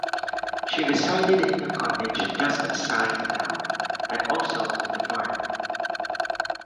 She resided in a cottage just outside the town, and also owned a farm.